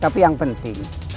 tapi yang penting